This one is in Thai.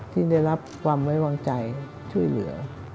ที่ได้รับความไว้วางใจช่วยเหลือ